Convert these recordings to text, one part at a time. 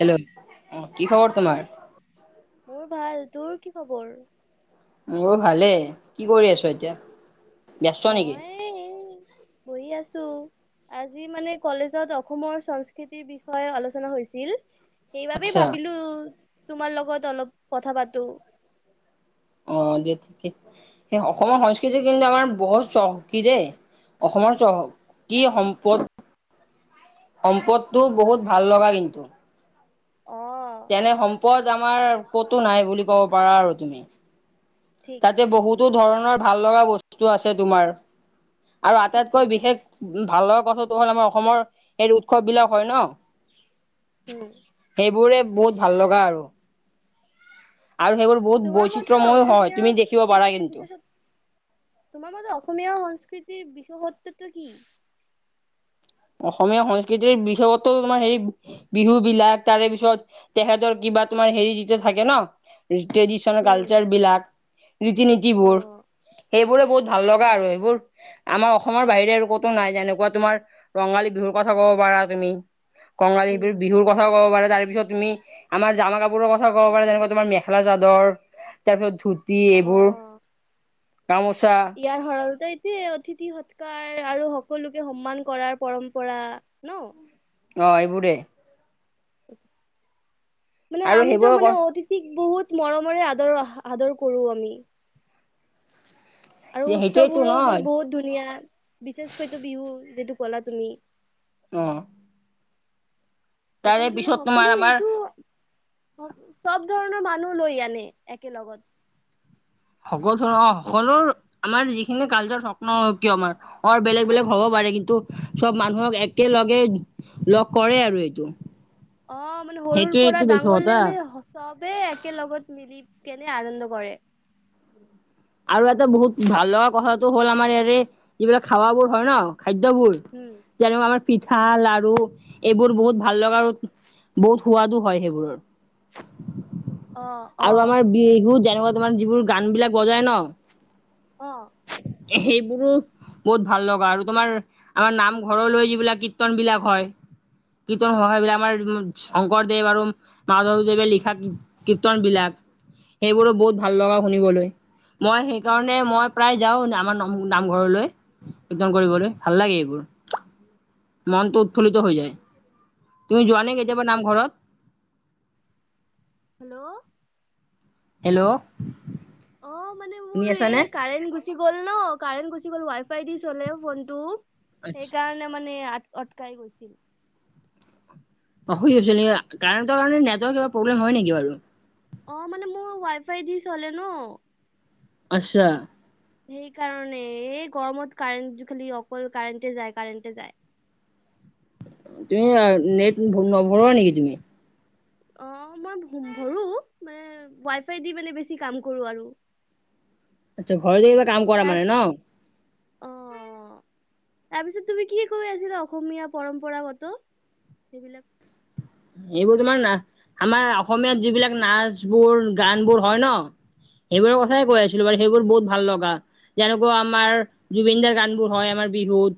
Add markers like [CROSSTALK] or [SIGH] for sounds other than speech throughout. Hello কি খবৰ অ তোমাৰ? মোৰ ভাল তোৰ কি খবৰ। অ ভালে কি কৰি আছো এতিয়া। ব্যস্ত নেকি মই এই বহি আছো। আজি মানে কলেজত অসমৰ সংস্কৃতিৰ বিষয়ে আলোচনা হৈছিল। সেইবাবেই আচ্ছা ভাবিলো তোমাৰ লগত অলপ কথা পাতো। অ দ ঠিকেই সেই অসমৰ সংস্কৃতি কিন্তু আমাৰ বহুত চহকী দেই। অসমৰ চহ কি সম্পদ। সম্পদটো বহুত ভাল লগা কিন্তু। অ তেনে সম্পদ আমাৰ ক'তো নাই বুলি ক'ব পাৰা আৰু তুমি। ঠিক তাতে ঠিক বহুতো ধৰণৰ ভাল লগা বস্তু আছে তোমাৰ। আৰু ঠিক আটাইতকৈ কৈছা বিশেষ ভালৰ কথাটো হ'ল আমাৰ। অসমৰ এই উৎসৱ বিলাক হয় ন উম সেইবোৰে। বহুত ভাল লগা আৰু। আৰু সেইবোৰ বহুত তোমাৰ মতে বৈচিত্ৰময়ো হয়। অসমীয়া তুমি দেখিব পাৰা সংস্কৃতিৰ কিন্তু। বিশেষত তোমাৰ মতে অসমীয়া সংস্কৃতিৰ বিশেষত্বটো কি অসমীয়া সংস্কৃতিৰ বিশেষত্বটো তোমাৰ হেৰি বিহু বিলাক। তাৰে পিছত তেখেতৰ কিব বা তোমাৰ হেৰি যেতিয়া থাকে ন ট্ৰেডিশন উম কালচাৰ বিলাক, অ ৰীতি-নীতিবোৰ। সেইবোৰে বহুত ভাল লগা আৰু এইবোৰ। আমাৰ অসমৰ বাহিৰে আৰু ক'তো নাই যেনেকুৱা তোমাৰ কঙালী বিহুৰ কথা ক'ব পাৰা তুমি। কঙালী উম বিহু বিহুৰ কথাও ক'ব পাৰা তাৰ তাৰপিছত তুমি আমাৰ জামা আমাৰ জামা কাপোৰৰ কথা ক'ব পাৰা যেনেকা তোমাৰ মেখেলা-চাদৰ। তাৰপিছত ধুতি এইবোৰ। অ গামোচা ইয়াৰ সৰালতে অতিথি সৎকাৰ আৰু সকলোকে সন্মান কৰাৰ পৰম্পৰা ন। অঁ এইবোৰে। মানে আৰু আমিতো সেইবোৰৰ মানে ক অতিথিক বহুত মৰমৰে আদৰো আহা আদৰ কৰো আমি। আৰু উৎসৱ সেইটোৱেইটো বোৰো মানে নহয় বহুত ধুনীয়া বিশেষকৈ বিহু যিটো কলা তুমি। অঁ। সকলো মানে তোমাৰ সকলো আমাৰ এইটো অঁ চব ধৰণৰ মানুহ লৈ আনে একে লগত। সকলো অ সকলো আমাৰ যিখিনি কালচাৰ স্বপ্ন কিয় আমাৰ। অ বেলেগ বেলেগ হ'ব পাৰে কিন্তু চব মানুহক একেলগে লগ কৰে আৰু এইটো। অঁ মানে সৰুৰ পৰা সেইটোৱেইটো বিশেষ ডাঙৰলে কথা মানে চবেই একে লগত মিলি কেনে আনন্দ কৰে। আৰু এটা বহুত ভাল লগা কথাটো হ'ল আমাৰ ইয়াৰে যিবিলাক খাৱা বোৰ হয় ন খাদ্যবোৰ উম যেনে আমাৰ পিঠা, লাৰু এইবোৰ বহুত ভাল লগা আৰু বহুত সোৱাদো হয় সেইবোৰৰ [UNINTELLIGIBLE] অ অ আৰু আমাৰ বিহু যেনেকুৱা তোমাৰ যিবোৰ গান বিলাক বজায় ন অঁ। সেইবোৰো বহুত ভাল লগা আৰু তোমাৰ আমাৰ নামঘৰলৈ যিবিলাক কীৰ্ত্তন বিলাক হয় কীৰ্তন হয়। সেইবিলাক আমাৰ শংকৰদেৱ আৰু মাধৱদেৱে লিখা কীৰ্তন বিলাক। সেইবোৰো বহুত ভাল লগা শুনিবলৈ। মই সেইকাৰণে মই প্ৰায় যাও আমাৰ নমো নামঘৰলৈ। একদম কৰিবলৈ ভাল লাগে এইবোৰ মনটো উৎফুল্লিত হৈ যায়। তুমি যোৱানে কেতিয়াবা যোৱা নে নামঘৰত? হেল্ল? হেল্ল। অঁ মানে শুনি মোৰ আছানে এই কাৰেণ্ট গুচি গ'ল ন। কাৰেণ্ট গুচি গ'ল ৱাইফ ফাই দি চলে ফোনটো। আচ্ছা সেইকাৰণে মানে আ আটকাই গৈছিল। অসুবি হৈছিল নেকি? কাৰেন্ট ৰ কাৰণে নেটৰ প্ৰব্লেম হয় নেকি বাৰু? অঁ মানে মোৰ ৱাইফাই দি চলে ন। আচ্ছা। সেইকাৰণে। এই গৰমত কাৰেণ্ট খালি অকল কাৰেণ্টে যায় কাৰেণ্টে যায় খালি। তুমি নেট নভৰোৱা নেকি তুমি? অঁ মই ভৰো। মানে ৱাইফাই দি মানে বেছি কাম কৰো আৰু। [UNINTELLIGIBLE] আচ্ছা ঘৰতে এইবোৰ কাম কৰা তাৰ মানে ন। অ তাৰপিছত তুমি কি কৈ আছিলা অসমীয়া পৰম্পৰাগত সেইবিলাক এইবোৰ তোমাৰা আমাৰ অসমীয়াত যিবিলাক নাচবোৰ, গানবোৰ হয় ন সেইবোৰৰ উম কথাই কৈ আছিলো বাৰু। সেইবোৰ বহুত ভাল লগা যেনেকৈ আমাৰ জুবিন দাৰ গানবোৰ হয় আমাৰ বিহুত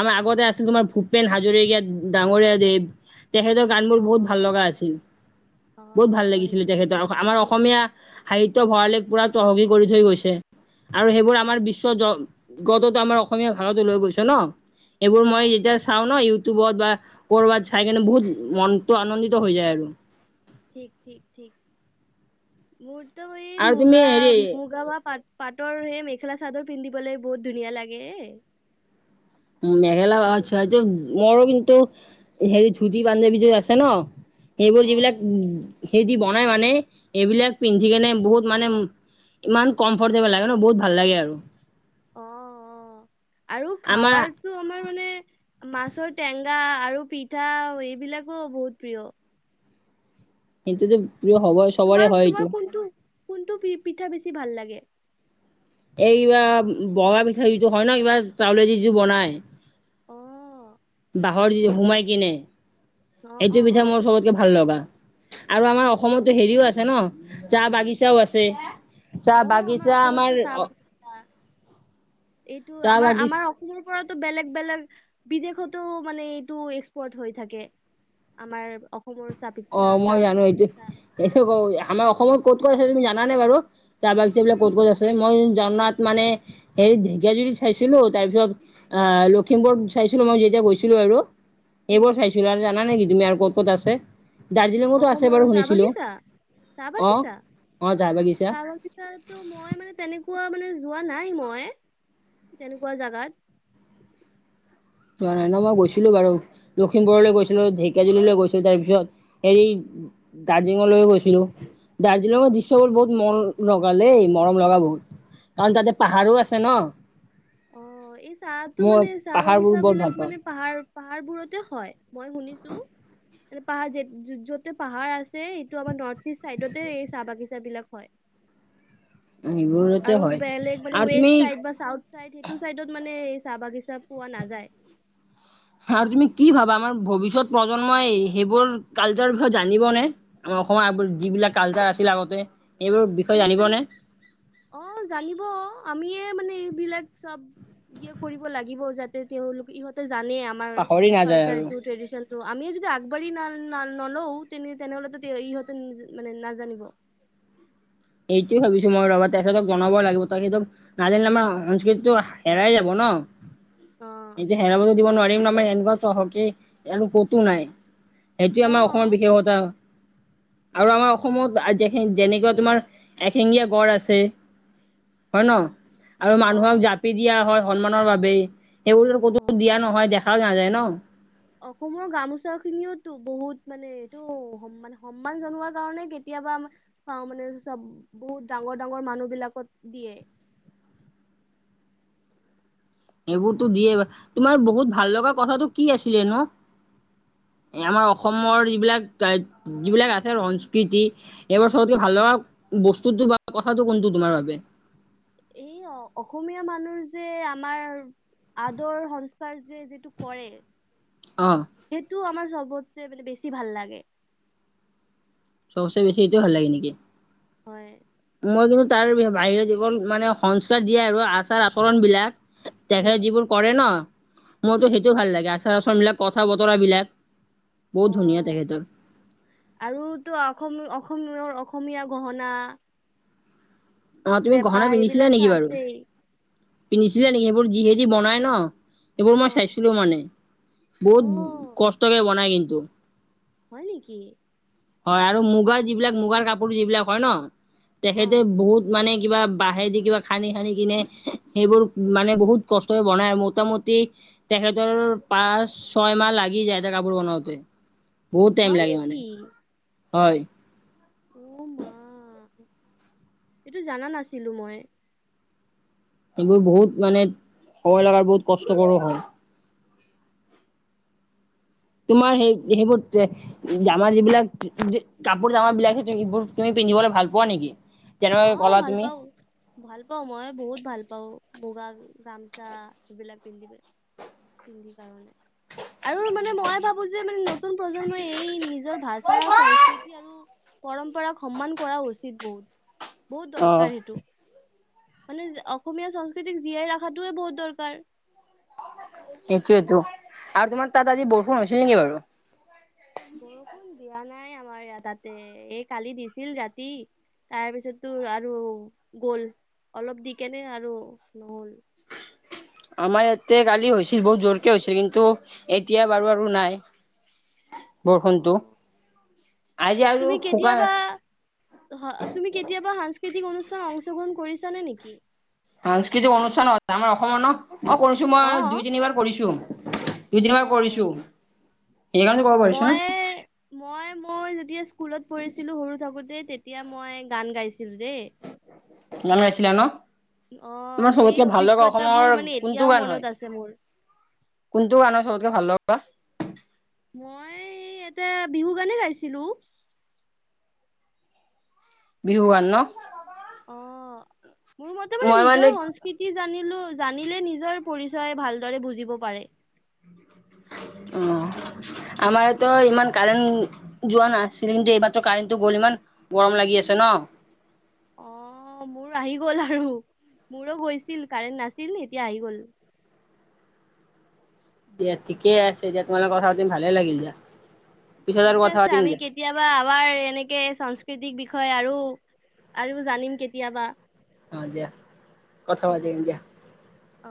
আমাৰ আগতে আছিল তোমাৰ উম, ভূপেন হাজৰিকা ডাঙৰীয়া দেৱ তেখেতৰ গান বোৰ অ বহুত ভাল লগা আছিল। অ বহুত ভাল লাগিছিলে সেইটো তেখেতৰ ঠিক আমাৰ ঠিক অসমীয়া সাহিত্য ভঁৰালিক পুৰা চহকী কৰি থৈ গৈছে আৰু সেইবোৰ আমাৰ বিশ্ব জ গতটো আমাৰ অসমীয়া ভাষাটো লৈ গৈছ ন। এইবোৰ অ মই যেতিয়া চাওঁ ন ইউটিউবত বা ক'ৰবাত চাই কিনে বহুত। মনটো আনন্দিত হৈ যায় আৰু মোৰটো এই আৰু তুমি মুগা হেৰি মুগা বা পাত পাতৰ সেই মেখেলা চাদৰ পিন্ধিবলে বহুত ধুনীয়া লাগে এ উম মেখেলা আচ্ছা এতিয়া মোৰো কিন্তু হেৰী ধুতি পাঞ্জাৱী টো আছে ন এইবোৰ যিবিলাক অ', হেৰী দি বনাই মানে এইবিলাক পিন্ধি কেনে বহুত মানে ইমান কমফৰ্টেবুল লাগে ন বহুত ভাল লাগে আৰু অ অ আৰু আমাৰ খাৱাৰটো আমাৰ মানে মাছৰ টেঙা আৰু পিঠা এইবিলাকো বহুত প্ৰিয় সেইটো টো তোমাৰ তোমাৰ কোনটো কোনটো পি পিঠা বেছি ভাল লাগে এই কিবা বগা পিঠা যিটো হয় ন কিবা চাউলে দি যে বনাই অ বাঁহৰ যি সোমাই কিনে অ', সেইটো অ', পিঠা অ', মোৰ চবতকে ভাল লগা আৰু আমাৰ অসমতটো হেৰিও আছে ন চাহ বাগিচাও আছে চাহ অ', বাগিচা অসমতো আমাৰ চাহ অ বাগিচা এইটো আমাৰ আমাৰ অসমৰ ওপৰত বেলেগ বেলেগ বিদেশতো মানে এইটো এক্সপৰ্ট হৈ থাকে আমাৰ অসম অ মই জানো এইটো এইটো ক আমাৰ অসমত ক'ত ক'ত আছে তুমি জানানে বাৰু চাহ বাগিচা বিলাক কি ক'ত ক'ত ক'লা? আছে মই জনাত মানে হেৰি ঢেকিয়াজুৰিত চাইছিলোঁ তাৰ পিছত আহ লখিমপুৰ চাইছিলোঁ মই যেতিয়া গৈছিলোঁ আৰু উম, এইবোৰ চাইছিলোঁ আৰু জানা নেকি তুমি আৰু ক'ত ক'ত আছে? দাৰ্জিলিঙতো আছে অসমৰ বাৰু চাহ শুনিছিলোঁ বাগিচা, চাহ বাগিছা চাহ বাগিছাটো মই মানে তেনেকে কুৱা মানে যোৱা নাই মই তেনেকুৱা জাগাত যোৱা নাই ন। মই গৈছিলোঁ বাৰু লখিমপুৰলৈ গৈছিলোঁ ঢেকিয়াজুলিলৈ গৈছিলোঁ তাৰপিছত হেৰী দাৰ্জিলিঙলৈয়ো গৈছিলোঁ। দাৰ্জিলিঙত দৃশ্যবোৰ বহুত মন লগা দেই মৰম লগা বহুত কাৰণ তাতে অ', পাহাৰো আছে ন অ এই চাহটো মই মানে চাহ পাহাৰবোৰ বাগিছা বৰ ভাল বিলাক পাওঁ মানে পাহাৰ পাহাৰবোৰতে হয় মই শুনিছোঁ মানে পাহাৰ য য'তে পাহাৰ আছে এইটো আমাৰ নৰ্থ ইষ্ট চাইডতে এই চাহ বাগিচা বিলাক হয় সেইবোৰতে আৰু হয় বেলেগ মানে আৰু ৱেষ্ট তুমি চাইড বা চাউঠ চাইড সেইটো চাইডত মানে চাহ বাগিচা পোৱা নাযায় আৰু তুমি কি ভাবা আমাৰ ভৱিষ্যত প্ৰজন্মই সেইবোৰ কালচাৰৰ বিষয়ে জানিব নে? অসমৰ আ যিবিলাক কালচাৰ আছিল আগতে এইবোৰ বিষয়ে সেইটো জানিবনে? অ জানিব আমিয়ে মানে এইবিলাক চব ইয়ে কৰিব লাগিব যাতে তেওঁলোক ইহঁতে জানে আমাৰ পাহৰি নাযায় কালচাৰ আৰু টো ট্ৰেডিচন টো আমিয়ে যদি আগবাঢ়ি না না নলও তেনে তেনেহলেটো ইহঁতে মানে নাজানিব [INAUDIBLE] এইটোয়ে ভাবিছোঁ মই ৰবা তেখেতক জনাব লাগিব তেখেতক নাজানিলে আমাৰ সংস্কৃতিটো হেৰাই যাব ন অ অ' এইটো হেৰাবটো দিব নোৱাৰিম ন আমি এনেকুৱা চহকী আৰু ক'তো নাই সেইটোৱে আমাৰ অসমৰ অ' বিশেষতা আৰু আমাৰ অসমত যে যেনেকুৱা তোমাৰ এশিঙীয়া গড় আছে হয় নহয় আৰু মানুহক অ' জাপি দিয়া হয় সন্মানৰ বাবেই সেইবোৰতো ক'তো দিয়া অ' নহয় দেখাও নাযায় ন অসমৰ গামোচা খিনিও ত বহুত মানে এইটো মানে সন্মান জনোৱাৰ কাৰণে কেতিয়াবা প মানে চব বহুত ডাঙৰ ডাঙৰ মানুহ বিলাকত দিয়ে [INAUDIBLE] সেইবোৰতো দিয়ে তোমাৰ বহুত ভাল লগা কথাতটো কি আছিলে নো। [INAUDIBLE] আমাৰ অসমৰ যিবিলাক যিবিলাক আছে সংস্কৃতি এইবোৰ চবতকে ভাল লগা। বস্তুটো বা কথাটো কোনটো তোমাৰ বাবে। এই অ অসমীয়া মানুহ যে আমাৰ। আদৰ সংস্কাৰ যে যিটো কৰে। অ সেইটো আমাৰ চবতছে মানে বেছি ভাল লাগে। চবচে বেছি এইটো ভাল লাগে নেকি। হয় মই কিন্তু তাৰ বাহিৰত যৱল মানে সংস্কাৰ দিয়ে আৰু আচাৰ আচৰণ বিলাক। উম তেখেতে যিবোৰ কৰে ন। মোৰতো সেইটো ভাল লাগে আচাৰ আচাৰন বিলাক কথা বতৰা বিলাক। অ বহুত ধুনীয়া তাকে ত আৰুতো অসম অসমৰ অসমীয়া গহনা অ তুমি পেপা গহনা পিন্ধিছিলা এইবিলাকতো নেকি বাৰু আছেই পিন্ধিছিলা নেকি? এইবোৰ যিহেদি বনাই ন এইবোৰ অ মই চাইছিলো মানে। অ বহুত কষ্টকে বনায় কিন্তু। হয় নেকি? হয় আৰু মুগাৰ যিবিলাক মুগাৰ কাপোৰ যিবিলাক হয় ন অ তেখেতে বহুত। মানে কিবা বাঁহেদি কিবা খানি খানি কিনে সেইবোৰ মানে বহুত কষ্টৰে বনাই মোটামুটি- তেখেতৰ পাঁচ ছয় মাহ লাগি যায় এটা কাপোৰ বনোৱাতে বহুত টাইম হয় লাগে মানে নেকি হয়। অ মা এইটো জানা নাছিলো মই। এইবোৰ বহুত মানে হব লগা বহুত কষ্টকৰ হয়। তোমাৰ সেই সেইবোৰ জামাৰ যিবিলাক কাপোৰ জামাৰ বিলাক এইবোৰ তুমি পিন্ধিবলৈ ভাল পোৱা নেকি? অ যেনেকুৱাকে ক'লা ভাল তুমি পাও ভাল পাও মই বহুত ভাল পাওঁ। মুগা গামচা এইবিলাক পিন্ধিব পিন্ধি কাৰণে। আৰু মানে মই ভাবো যে মানে নতুন প্ৰজন্মই এই নিজৰ ভাষা সংস্কৃতি আৰু পৰম্পৰাক সন্মান কৰা উচিত বহুত বহুত দৰকাৰ অ' সেইটো মানে অসমীয়া সংস্কৃতিক জীয়াই ৰখাতোৱে বহুত দৰকাৰ। সেইটোয়েতো আৰু তোমাৰ তাত আজি বৰষুণ হৈছিল নেকি বাৰু। বৰষুণ দিয়া নাই আমাৰ তাতে এই কালি দিছিল ৰাতি তাৰপিছত তোৰ আৰু গ'ল অলপ দি কেনে আৰু নহ'ল। আমাৰ ইয়াতে কালি হৈছিল বহুত জোৰকে হৈছিল কিন্তু এতিয়া বাৰু আৰু নাই। [INAUDIBLE] বৰষুণটো আজি আৰু তুমি শুকান কেতিয়াবা তুমি কেতিয়াবা হ কৃতিক অনুষ্ঠান অংশগ্ৰহণ কৰিছা নে নেকি? সাংস্কৃতিক অনুষ্ঠান আমাৰ অসমত ন মই কৰিছো অ মই দুই তিনিবাৰ কৰিছো। দুইদিনাৰ কৰিছো অ সেইকাৰণে কব পাৰিছো মই ন। মই মই যেতিয়া স্কুলত পঢ়িছিলো সৰু থাকোতে তেতিয়া মই গান গাইছিলো। চ দে গান গাইছিলা ন অ তোমাৰ সেই চবতকে ভাল লগা অসমৰ অভিজ্ঞতাবোৰ মানে কোনটো এতিয়াও গান হয় মনত আছে মোৰ। কোনটো গানৰ চবতকে ভাল লগা। মই ইয়াতে বিহু গানে গাইছিলো। বিহুৱান ন? অ মোৰ মতে মানে নিজৰ সংস্কৃতি জানিলো জানিলে নিজৰ পৰিচয় ভালদৰে বুজিব পাৰে। অ আমাৰতো ইমান কাৰেণ্ট যোৱা নাছিল কিন্তু এইমাত্ৰ কাৰেণ্টটো গ'ল ম গৰম লাগি আছে ন। অ মোৰ আহি গ'ল আৰু। মোৰো গৈছিল কাৰেণ্ট নাছিল এতিয়া আহি গ'ল। দিয়া ঠিকে আছে দিয়া তোমা লগত কথা পাতি ভালে লাগিল দিয়া। পিছত আৰু ঠিকে কথা আছে পাতিম আমি দিয়া কেতিয়াবা আমাৰ এনেকে সস্কৃতিক বিষ হয় আৰু আৰু জানিম কেতিয়াবা। অ দিয়া। কথা ঠিক পাতিম আছে দিয়া। অ।